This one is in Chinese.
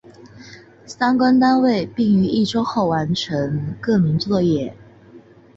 相关单位并于一周后完成更名作业。